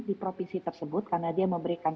di provinsi tersebut karena dia memberikan